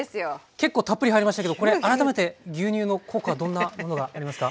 結構たっぷり入りましたけどこれ改めて牛乳の効果どんなものがありますか？